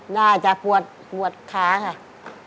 น่าจะปวดขาค่ะ